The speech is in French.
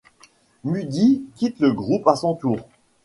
Muddy quitte le groupe à son tour.